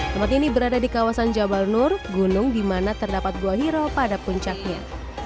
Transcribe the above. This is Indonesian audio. tempat ini berada di kawasan jabal nur gunung di mana terdapat buah hiro pada puncaknya